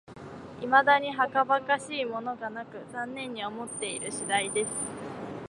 いまだにはかばかしいものがなく、残念に思っている次第です